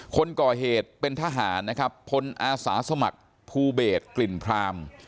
คนก่อเหตุเป็นทหารนะครับพลอาสาสมัครภูเบศกลิ่นพราม